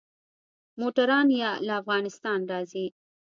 موټران يا له افغانستانه راځي.